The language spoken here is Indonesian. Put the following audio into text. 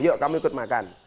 yuk kamu ikut makan